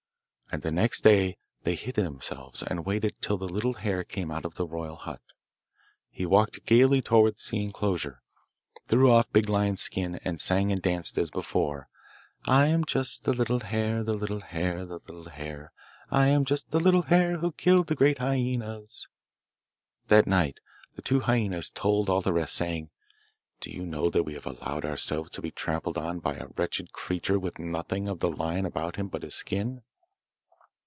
And the next day they hid themselves and waited till the little hare came out of the royal hut. He walked gaily towards the enclosure, threw off, Big Lion's skin, and sang and danced as before I am just the little hare, the little hare, the little hare, I am just the little hare, who killed the great hyaenas. That night the two hyaenas told all the rest, saying, 'Do you know that we have allowed ourselves to be trampled on by a wretched creature with nothing of the lion about him but his skin?